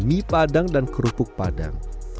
mie padang dan kerupuk padang